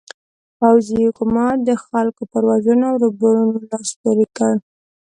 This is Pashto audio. پوځي حکومت د خلکو پر وژنو او ربړونو لاس پورې کړ.